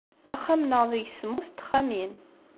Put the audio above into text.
Axxam-nneɣ deg-s semmus n texxamin.